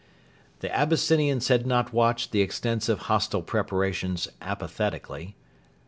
The Abyssinians had not watched the extensive hostile preparations apathetically.